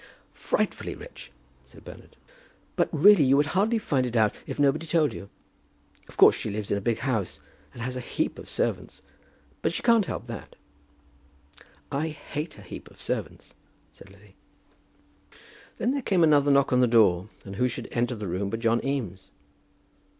"Frightfully rich," said Bernard; "but really you would hardly find it out if nobody told you. Of course she lives in a big house, and has a heap of servants; but she can't help that." "I hate a heap of servants," said Lily. Then there came another knock at the door, and who should enter the room but John Eames.